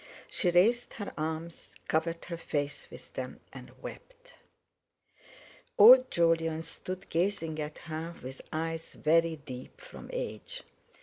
She raised her arms, covered her face with them, and wept. Old Jolyon stood gazing at her with eyes very deep from age.